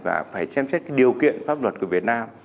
và phải xem xét cái điều kiện pháp luật của việt nam